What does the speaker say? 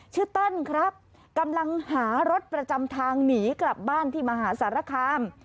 เติ้ลครับกำลังหารถประจำทางหนีกลับบ้านที่มหาสารคาม